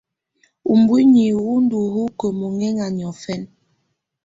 Ubuinyii wù ndù hukǝ́ muhɛŋa niɔ̀fɛna.